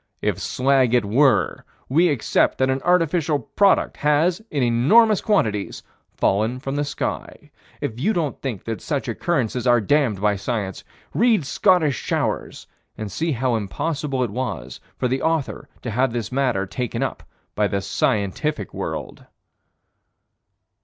If slag it were, we accept that an artificial product has, in enormous quantities, fallen from the sky. If you don't think that such occurrences are damned by Science, read Scottish Showers and see how impossible it was for the author to have this matter taken up by the scientific world.